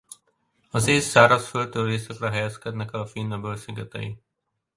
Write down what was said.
Az észt szárazföldtől északra helyezkednek el a Finn-öböl szigetei.